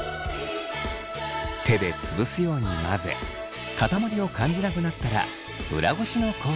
手で潰すように混ぜ塊を感じなくなったら裏ごしの工程へ。